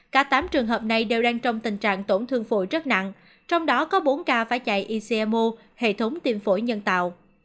cả tám trường hợp này đều đang trong tình trạng tổn thương phổi rất nặng trong đó có bốn ca phải chạy icmo hệ thống tiêm phổi nhân tạo